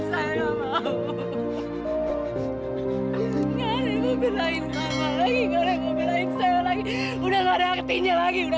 sampai jumpa di video selanjutnya